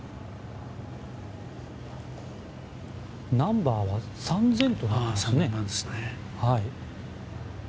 ナンバーは３０００となっていますね。